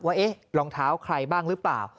ว่ารองเท้าใครบ้างหรือเปล่า